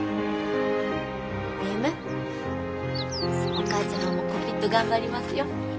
お母ちゃまもこぴっと頑張りますよ。